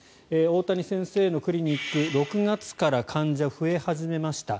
大谷先生のクリニック６月から患者が増え始めました。